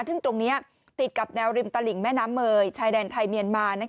ซึ่งตรงนี้ติดกับแนวริมตลิ่งแม่น้ำเมย์ชายแดนไทยเมียนมา